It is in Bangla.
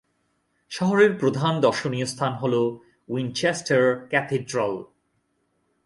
শহরের প্রধান দর্শনীয় স্থান হল উইনচেস্টার ক্যাথিড্রাল।